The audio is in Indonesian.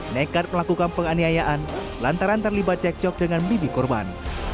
nekat melakukan penganiayaan lantaran terlibat cekcok dengan bibi korban